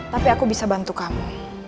tapi aku bisa bantu kamu